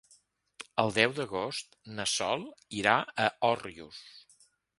El deu d'agost na Sol irà a Òrrius.